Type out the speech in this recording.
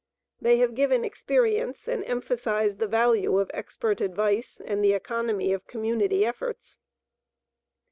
They have given experience and emphasized the value of expert advice and the economy of community efforts.